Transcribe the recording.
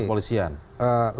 pasti sekarang begini